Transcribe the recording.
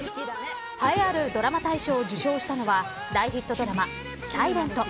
栄えあるドラマ大賞を受賞したのは大ヒットドラマｓｉｌｅｎｔ。